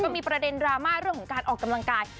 มีประเด็นดราม่าเรื่องของการออกกำลังกาย